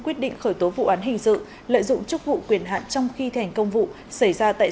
quyết định khởi tố vụ án hình sự lợi dụng chức vụ quyền hạn trong khi thành công vụ xảy ra tại